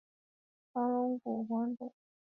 长龙骨黄耆是豆科黄芪属的植物。